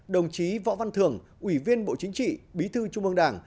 đồng chí võ văn thường ủy viên bộ chính trị bí thư trung mương đảng